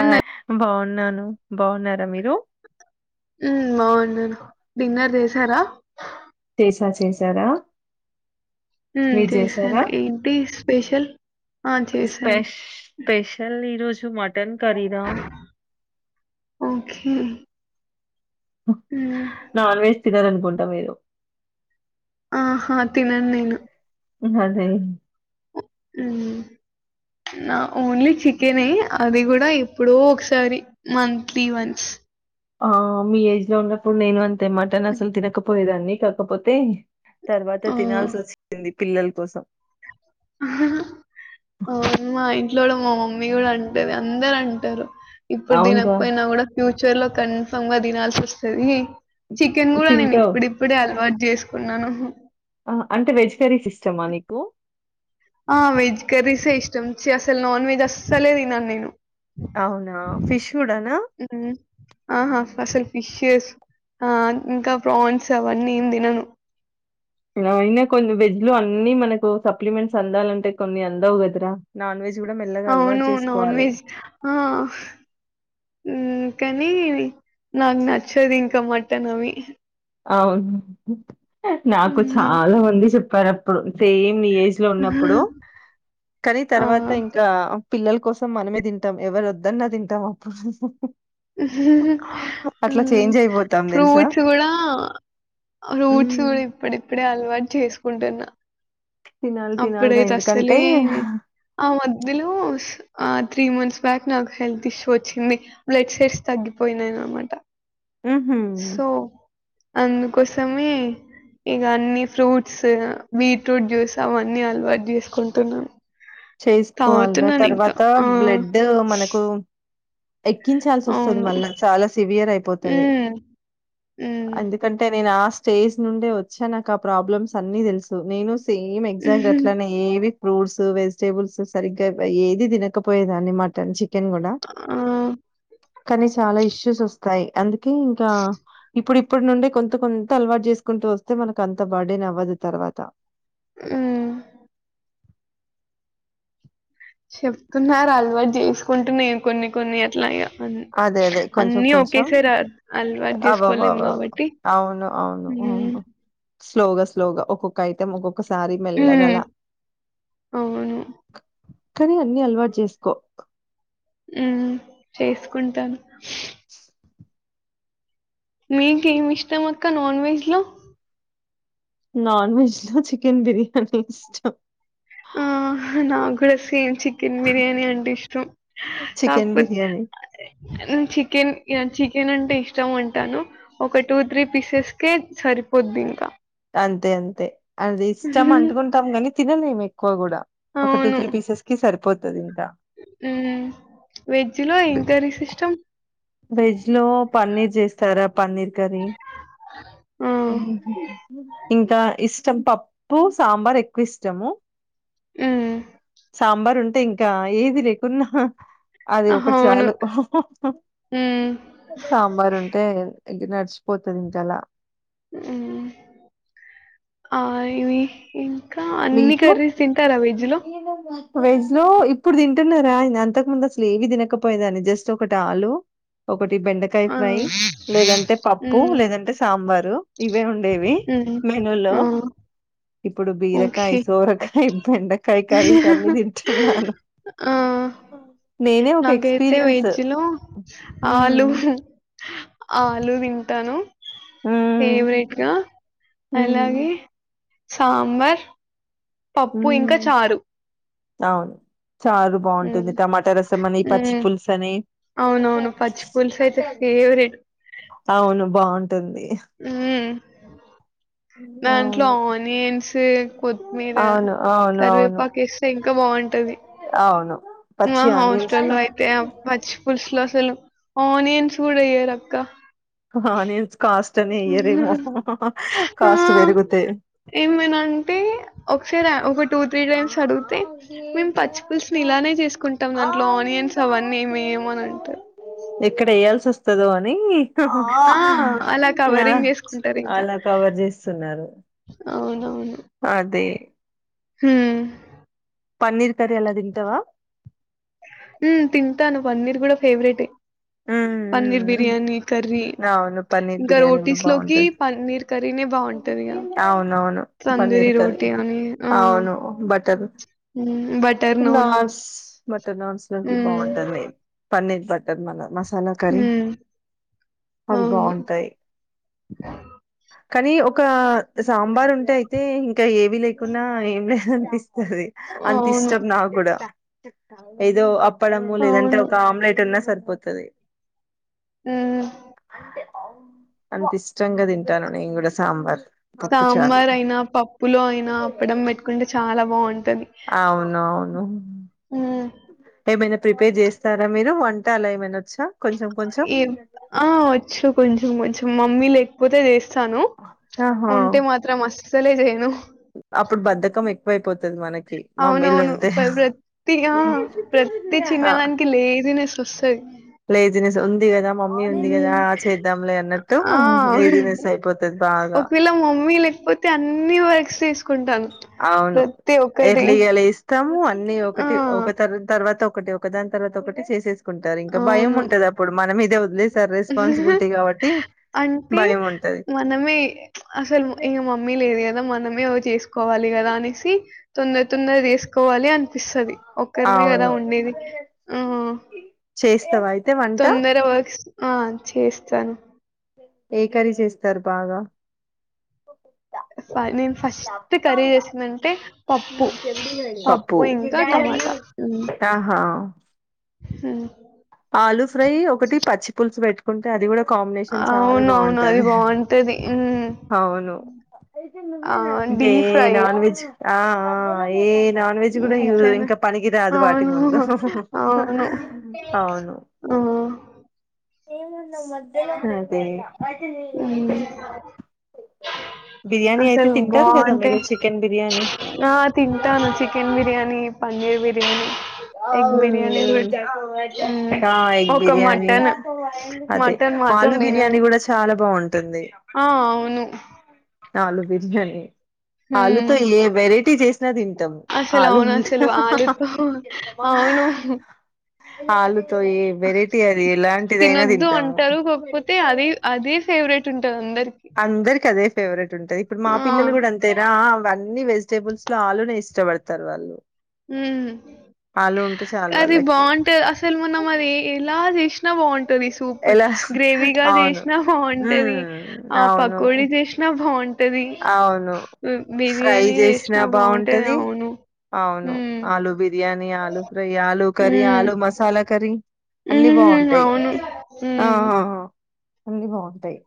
ఆ బాగున్నాను బాగున్నారా మీరు మ్మ్ బాగున్నాను డిన్నర్ చేసారా తా చేశారా చేసాను ఏంటి స్పెషల్ ఆ! స్పె చేశాను. స్పెషల్ ఈరోజు పచ్చ మటన్ కర్రీ రా ఓకే. హ్మ్. నాన్ వెజ్ తినరూ అనుకుంటా మీరు ఆహా తినను నేను అదే నా ఓన్లీ చికెనే అది కూడ ఇప్పుడు ఒకసారి మంత్లీ వన్స్ ఆ మీ ఏజ్ లో ఉన్నప్పుడు నేను అంతే మాటన్ హ్మ్. అసలు తినకపోయేదాన్ని కాకపోతే తర్వాత ఆ! తినాల్సి వచ్చింది పిల్లల కోసం అవును మా ఇంట్లో కూడా మా మమ్మీ కూడా అంటది అందరు అంటారు ఇప్పుడు అవునురా దీనకపోయినా కూడా ఫ్యూచర్ చర్లో కన్ఫమ్ గా తినాల్సి వస్తుంది చికెన్ కూడా నేను తింటావు. ఇప్పుడిప్పుడే అలవాటు చేసుకున్నాను అంటే వెజ్ కరీస్ ఇష్టటమా నీకు ఆ వెజ్ కర్రీసే ఇష్టంచి అసలు నాన్ వెజ్ అసలే తినను నేను అవునా ఫిష్ కూడానా హ్మ్. ఆహా! అసలు ఫిషెస్ ఆ ఇంకా ప్రాన్స్ అవన్నీ ఏం తినను అయినా కొన్ని వెజ్ లో అన్ని మనకు సప్లిమెంట్స్ అందాలంటే కొన్ని అందవు కదరా నాన్ వెజ్ కూడా మెల్లగా అలవాటు అవును నాన్ చేసుకోవాలి వెజ్ ఆ కాని నాకు నచ్చదు ఇంకా మట్టనవి అవును నాకు హ్మ్. చాలా మంది చెప్పారు అప్పుడు సేమ్ మీ ఏజ్ లో ఉన్నప్పుడు కానీ ఆ! తర్వాత ఇంకా పిల్లల కోసం మనమే తింటాం ఎవరు వద్దన్న తింటాం అప్పుడు అట్లా చేంజ్ అయిపోతాం తెలుసా ఫ్రూచ్ కూడా ఫ్రూట్స్ ఉమ్, కూడా ఇప్పుడిప్పుడే అలవాటు చేసుకుంటున్నా తినాలి తినాలిరా అప్పుడైతే ఎందుకంటే అసలే ఆ మధ్యలో ఆ త్రీ మంత్స్ బ్యాక్ నాకు హెల్త్ ఇష్యూ వచ్చింది బ్లడ్ షెర్స్ తగ్గిపోయినాయిన అనమాట ఉహుం, సో అందుకోసమే ఇక అన్ని ఫ్రూట్స్ బీట్రూట్ జ్యూస్ అవన్నీ అలవాటు చేసుకుంటున్నాం చేసుకోవాలిరా తాగుతున్నాను ఇంకా తర్వాత ఆ ఎక్కించాల్సి వస్తుంది అవును. మళ్ళా చాలా సివియర్ అయిపోతది హ్మ్. హ్మ్. అందుకంటే నేను ఆ స్టేజ్ నుండే వచ్చా నాకు ఆ ప్రాబ్లమ్స్ అన్ని తెలుసు నేను సేమ్ ఎగ్జాక్ట్ అట్లనే ఎవి ఫ్రూట్స్ వెజిటేబుల్స్ సరిగ్గా ఏది తినకపోయేదాన్ని మటన్ చి కెన్ కూడా ఆ! కానీ చాలా ఇష్యూస్ వస్తాయి అందు ఇంకా ఇప్పుడు ఇప్పటి నుండి కొంత కొంత అలవాటు చేసుకుంటూ వస్తే మనకు అంత బాడేన్ అవ్వదు తర్వాత హ్మ్ చెప్తున్నారు అలవాటు చేసుకుంటున్ కొన్ని కొన్ని అట్లా ఇగ అన్ అదే అదే కొంచెం అన్నీ కొంచెం ఒకేసారి అ అలవాటు జేస్కోలేన్ కాబట్టి ఉ హ్మ్ స్లోగా స్లోగా ఒక్కొక్కైటం ఒక్కొక్ ఒకసారి మెల్లగల హ్మ్. అవును. కనీ అన్ని అలవాటు జేస్కో హ్మ్ చేసుకుంటాను [inaudible] మీకేమ్ ఇష్టమక్క నాన్ వెజ్ లో? నాన్ వెెజ్ లో చికెన్ బిర్యానీ ఇష్టం ఆ నాగ్గుడ సేమ్ చికెన్ బిర్యానీ అంటే ఇష్టం చికెన్ కాక్పోత్ బిర్యానీ ఉమ్ చికెన్ ఇగ చిక్ కెనంటే ఇష్టం అంటాను ఒక టూ త్రీ పీసెస్ కే సరిపోద్దిమ్కా అంతే అంతే అది ఇష్టమంటుకుంటాం గని తినలేము ఎక్కువ గుడా, ఒక టూ త్రీ పీసెస్ కి సరిపోతదింకా. వెజ్ లో ఏం కర్రీస్ ఇష్టం? వెజ్ లో పన్నీర్ చేస్తారా, పన్నీర్ కర్రీ ఆ! ఇంకా ఇష్టం పప్పు, సాంబార్ ఎక్కువిష్టము ఉమ్ సాంబార్ ఉంటే ఇంకా ఏది లేకున్నా అది ఒకటి అవును. చాలు హ్మ్. సాంబార్ ఉంటే ఇగ నడ్చిపోతది ఇంకలా ఉమ్ మ్ ఆ ఇవి ఇంకా అన్ని మీకు? కర్రీస్ తింటారా వెజ్ లో? వెజ్ లో ఇప్పుడు తింటున్నారా ఇగ అంతకు ముందసలు ఏవి తినకపోయేదాన్ని జస్ట్ ఒకటి ఆలు ఒక్ ఒకటి బెండకాయ ఆ! ఫ్రై లేదంటే పప్పు హ్మ్. లేదంటే సాంబారు ఇవే ఉండేవి హ్మ్. మెనూల్లో ఆ! ఇప్పుడు బీరకాయ్, ఓకే. సోరకాయ్ బ్ బెండకాయ్ కరీస్ అన్ని తింటున్నాను ఆ నేనే ఒక నాకైతే ఎక్స్పీరియన్స్ వెజ్ లో హ్మ్ ఆలూ ఆలు తింటాను హ్మ్ ఫేవరెట్గా హ్మ్ అలాగే సాంబార్ పప్పు ఇంకా హ్మ్ చారు అవును చారు హ్మ్. బావుంటుంది టమాటా రసం అని, ఇ పచ్చి హ్మ్. పులుసు అని అవునవును పచ్చి పూలుసయితే ఫేవరెట్ అవును బావుంటుంది హ్మ్. దాంట్లో ఆనియన్స్ కొత్మీర అవును అవును అవును కరివేపాకేస్తే ఇంకా బావుంటది అవును మా పచ్చి ఆనియన్స్ హాస్టల్ లో అయితే ఆ పచ్చి పుల్స్ లో అసలు ఆనియన్స్ గూడ ఏయరక్క ఆనియన్స్ కాస్ట్ అని ఎయ్యరేమో ఆ కాస్ట్ పెరుగుతాయి ఏమైనంటే ఒకసారా ఒక టూ, త్రీ టైమ్స్ అడుగుతే మేము పచ్చి పులుస్ని ఇలానే జేసుకుంటాం దాంట్లో ఆనియన్ యన్స్ అవన్నేం వేయము అన్ అంటరు. క్కడ ఎయాల్సోస్తదో అని ఆ అలా కవరింగ్ చేసుకుంటారు ఇంకా అలా కవర్ జేస్తున్నరు అవునవును అదే హ్మ్ పన్నీర్ కరీ అలా తింటవా? ఉమ్ తింటాను, పన్నీర్ గూడ ఫేవరెటే ఉమ్ పన్నీర్ బిర్యానీ, కర్రీ అవును పన్నీర్ ఇంకా బిర్యానీ కూడా రోటీస్ లోకి బాగుంటది పన్నీర్ కర్రీనే బావుంటద్ అవునవును తందూరి పన్నీర్ కర్రీ రోటీ అని అవును బటర్ హ్మ్ బటర్ నాన్ నాన్స్ బటర్ నాన్స్ లోకి హ్మ్ బాగుంటుంది పన్నర్ బట్టర్ [unintelligible] మసాల కరి హ్మ్ అవి అవును బాగుంటాయి కానీ ఒక సాంబార్ ఉంటే అయితే ఇంక ఏవి లేకున్నా ఎం అనిపిస్తది అంత అవును ఇష్టం నా కూడ ఏదో అ తప్పడము లేదంటే అవును ఒక ఆమ్లెట్ ఉన్నా సరిపోతది హ్మ్ అంత ఇష్టంగా తింటాను నేను కూడ సాంబర్ సాంబార్ అయినా పప్పులో అయినా అప్పడం పెట్టుకుంటే చాల బాన్ అవును అవును హ్మ్. ఏమైన ప్రిపేర్ చేస్తార మీరు వంట అలా ఏమైనా వచ్చా కొంచెం కొంచెం ఆ వచ్చు కొంచం కొంచం మమ్మీ లేకపోతే చేస్తాను ఆహా ఉంటే మాత్రం అస్సలే చేయను అప్పుడు బద్దకం ఎక్కువై పోతది మనకి మమ్మీల్లు అవునవును. ఉంటే ప్ర ప్రతి ఆ! ప్రతి చిన్నదానికి [unintelligible] ఉంది కదా [unintelligible] మమ్మీ ఉంది కదా హ్మ్. చేద్దాంలే అన్నట్టు ఆ! లేజీనెస్ అయిపోతది బాగ పోతే అన్ని వర్క్స్ తీసు అవును ఎర్లీగ లేస్తాము అన్ని ఆ! ఒకటి ఒక తర తర్వాత ఒకటి ఒక దాని తర్వాత ఒకటి చేసేసుకుంటారు ఇంకా భయం అవును. ఉంటది అప్పుడు మనం మీదే ఉంది రెస్పాన్సిబిలిటీ కాబట్టి అంటే భయం ఉంటది మనమే అసలు ఇంగ మమ్మీ లేదు కదా మనమే ఒ చేసుకోవాలి కదా అనేసి తొందర తొందర చేసుకోవాలి అ పిస్తది ఒక్కరిమే కదా అవును ఉండేది ఆ చేస్తావా అయితే వంట తొందర వర్క్స్ ఆ చేస్తాను ఎ కర్రీ చేస్తారు బాగా నేను ఫస్ట్ కర్రీ చేసిందంటే పప్పు టమాటా. హ్మ్. ఆహా హ్మ్. ఆలు ఫ్రై ఒకటి పచ్చి పులుసు పెట్టుకుంటే అది కూడ కాంబినేషన్ చాలా అవునవును. అది బాగుంటది బావుంటది. హ్మ్. అవును ఆ! కే డీప్ ఫ్రై. నాన్ వెజ్ ఆ ఆ ఎ నాన్ వెజ్ కూడ డీప్ ఫ్రైనా ఇంకా పనికి రాదు అవును. వాటిముందు అవును. అవును ఆ! అదే హ్మ్. బిర్యానీ అయితే అసలు తింటారు కదా మీరు బావుంటాయి చికెన్ బిర్యానీ ఆ తింటాను చికెన్ బిర్యానీ పన్నీర్ బిర్యానీ ఎగ్ బిర్యానీ కూడా హ్మ్ ఎగ్ ఒక బిర్యానీ మటన్ అదే మటన్ మాత్రం ఆలు బిర్యానీ తినను కూడ చాలా బాగుంటుంది ఆ అవును ఆలు బిర్యానీ హ్మ్ ఆలుతో ఏ వెరైటీ చేస్ న తింటాం అసలు ఆలు అవును అసలు ఆలుతో అవును ఆలుతో ఈ వెరైటీ అది ఇలాం తినొద్దు అంటారు కాకపోతే అదే అదే ఫేవరెట్ ఉంటది అందరికి అందరికి అదే ఫేవరెట్ ఉంటది ఇప్పుడు మా ఆ పిల్లలు కూడ అంతేరా వన్నీ వెజిటేబుల్స్ లో ఆలునే ఇష్టపడతారు వాళ్ళు ఉ ఆలు ఉంటే చాలు అది వాళ్ళకి బాగుంటది అసలు మన అది ఎలా చేష్ ఎలా అవును జేసినా ఉ బావుంటది. ఆ అవును పకోడీ జేసినా బావుంటది. అవును హ్మ్. ఫ్రై బిర్యానీ చేసిన జేసినా బావుంటది. బాగుంటది అవును. అవును హ్మ్. ఆలూ బిర్యానీ ఆలూ ఫ్రై ఆలూ కర్రీ హ్మ్. ఆలూ మసాలా కర్రీ అన్ని హ్మ్. బాగుంటాయి అవును. హ్మ్. ఆహాహా అని బాగుంటాయి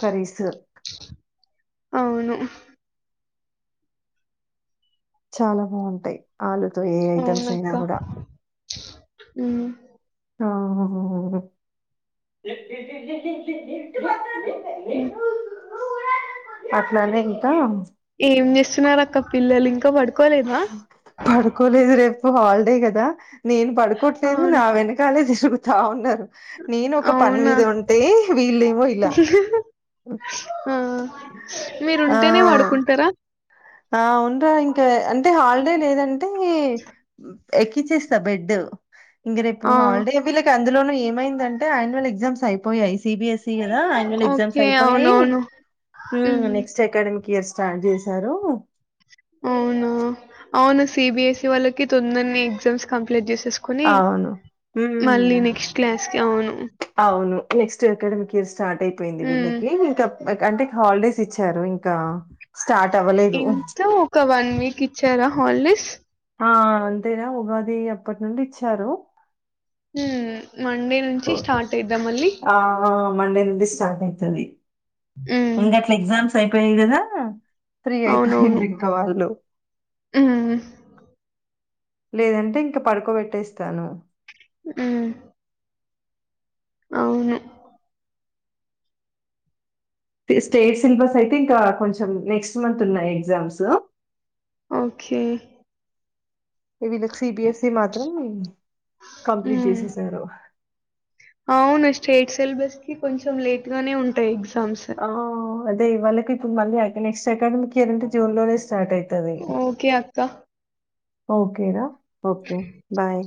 కరీసు అవును చాలా బాగుంటాయి ఆలుతో ఏ ఐటమ్స్ అయినా కూడా ఉ ఆ హ్మ్. అట్లానేకుతా ఏం జేస్తున్నారక్క పిల్లలు ఇంకా పడుకోలేదా? పడుకోలేదు రేపు హాలిడే కదా నేను పడుకోవట్లేదు అవును. నా వెనకాలే తిరుగుతా ఉన్నారు నేను ఒక పని అవునా? మీద ఉంటే వీళ్ళమో ఇలా ఆ మీరు ఉంటేనే ఆ! పడుకుంటారా ఆ ఉండ్రా ఇంకా అంటే హాలిడే లేదంటే ఎక్కించేస్తా బెడ్ ఇంక రేపు ఆ! హాలిడే వీళ్ళకి అందులోనూ ఏమైందంటే ఆయాన్యువల్ ఎగ్జామ్స్ అయిపోయాయి సిబిఎస్ఈ కదా అన్యుల్ ఎగ్జామ్స్ ఓకే. అయిపోయాయి అవునవును. హ్మ్. నెక్స్ట్ అకాడమిక్ ఇయర్స్ స్టార్ట్ చేసారు అవునా అవునా సిబిఎస్ఈ వాళ్ళకి తొందరని ఎగ్జామ్స్ కంప్లీట్ చేస్త కని అవును. మళ్ళీ హ్మ్. నెక్స్ట్ క్లాస్ కి అవును అవును. నెక్స్ట్ అకాడమిక్ ఇయర్ స్టార్ట్ అయిపోయింది హ్మ్. వీళ్ళకి ఇంకా అంటే హాలిడేస్ ఇచ్చారు ఇంకా స్టార్ట్ అవ్వలేదు. ఇంత ఒక వన్ వీక్ ఇచ్చారా హాలిడేస్ ఆ అంతేనా ఉగాది అప్పటి నుండి ఇచ్చారు హ ఓ ఆ మండే నుండి స్టార్ట్ అయితంది హ్మ్. ఇంక అట్లా ఎగ్జామ్స్ అయిపోయాయి కదా ఫ్రీ అయిపోయింది అవునవును. ఇంకా వాళ్ళు హ్మ్. లేదంటే ఇంక పడుకోబెట్టేస్తాను ఆ అవును స్టేట్ సిలబస్ అయితే ఇంకా కొంచెం నెక్స్ట్ మంత్ ఉన్నాయి ఎగ్జామ్స్ ఓకే వీళ్ళకి సిబిఎస్సి మాత్రం కంప్లీట్ హ్మ్. చేసేసారు అవును స్టేట్ సిలబస్ కి కొంచెం లేట్ గానే ఉంటాయి ఎగ్జామ్స్ ఆ అదే ఇవాళకి ఇప్పుడు మళ్ళీ నెక్ట్ అకాడమిక్ ఇయర్ అంటే జూన్ లోనే స్టార్ అయింది ఓకే అక్క ఓకే రా ఓకే బాయ్